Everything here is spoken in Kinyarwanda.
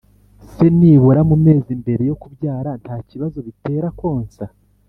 se nibura mu mezi mbere yo kubyara nta kibazo bitera konsa